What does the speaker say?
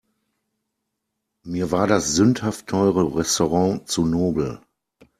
Mir war das sündhaft teure Restaurant zu nobel.